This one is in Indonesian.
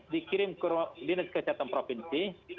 dikirim ke dinas kesehatan provinsi